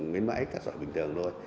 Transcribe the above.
bến bãi cát sỏi bình thường thôi